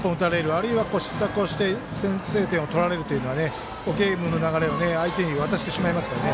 あるいは、失策をして先制点を取られるというのはゲームの流れを相手に渡してしまいますからね。